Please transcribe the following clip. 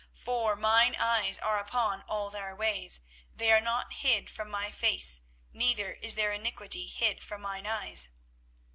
24:016:017 For mine eyes are upon all their ways: they are not hid from my face, neither is their iniquity hid from mine eyes.